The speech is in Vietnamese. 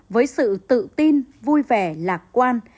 với sự tự tin vui vẻ lạc quan